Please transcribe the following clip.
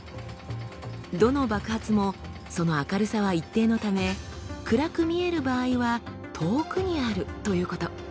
どの爆発もその明るさは一定のため暗く見える場合は遠くにあるということ。